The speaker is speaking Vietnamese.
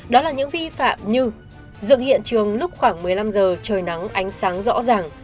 đó là những vi phạm như dựng hiện trường lúc khoảng một mươi năm giờ trời nắng ánh sáng rõ ràng